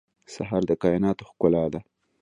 سهار د کایناتو ښکلا ده.